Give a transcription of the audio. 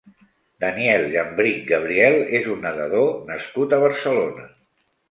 Daniel Llambrich Gabriel és un nedador nascut a Barcelona.